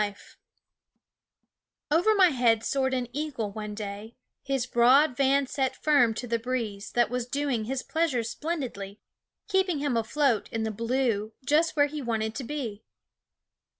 ||\ VER my head soared an eagle one day, his broad vans set firm to the breeze that was doing his pleasure splendidly, keeping him afloat in the blue, just where he wanted to be.